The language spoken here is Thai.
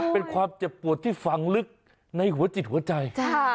เป็นความเจ็บปวดที่ฝังลึกในหัวจิตหัวใจ